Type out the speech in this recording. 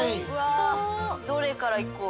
どれからいこう。